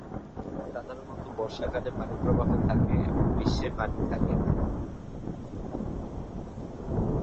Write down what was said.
সাধারণত বর্ষাকালে পানিপ্রবাহ থাকে এবং গ্রীষ্মে পানি থাকে না।